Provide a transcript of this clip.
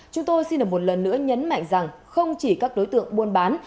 chúng tôi xin được một lần nữa nhấn mạnh rằng không chỉ các đối tượng buôn bán